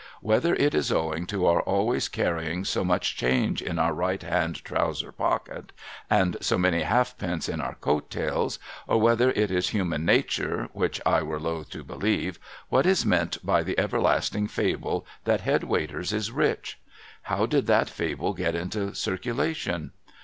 Whether it is owing to our always carrying so much change in our right hand trousers pocket, and so many halfpence in our coat tails, or whether it is human nature (which I were loth to believe), what is meant by the everlasting fable that Head Waiters is rich ? How did that fable get into circulation